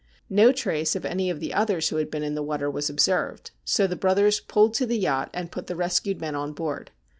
No trace of any of the others who had been in the water was observed, so the brothers pulled to the yacht, and put the rescued men on board.